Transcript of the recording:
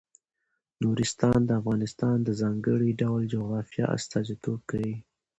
نورستان د افغانستان د ځانګړي ډول جغرافیه استازیتوب کوي.